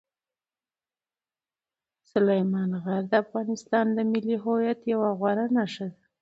سلیمان غر د افغانستان د ملي هویت یوه غوره نښه ده.